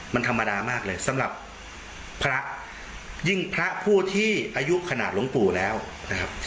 มันธรรมดามากเลยสำหรับพระยิ่งพระผู้ที่อายุขนาดหลวงปู่แล้วนะครับ